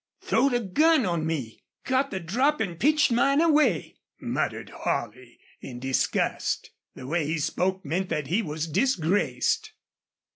"Throwed a gun on me, got the drop, an' pitched mine away!" muttered Holley, in disgust. The way he spoke meant that he was disgraced.